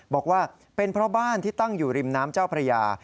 บอกว่าเป็นเพราะบ้านที่ตั้งอยู่ริมน้ำเจ้าพระยา